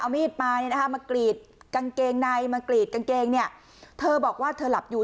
มีดมาเนี่ยนะคะมากรีดกางเกงในมากรีดกางเกงเนี่ยเธอบอกว่าเธอหลับอยู่